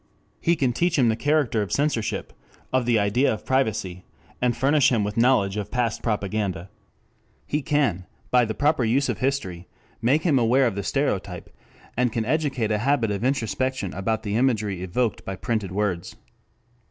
He can teach him the character of censorship, of the idea of privacy, and furnish him with knowledge of past propaganda. He can, by the proper use of history, make him aware of the stereotype, and can educate a habit of introspection about the imagery evoked by printed words.